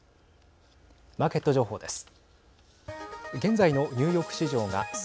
マーケット情報です。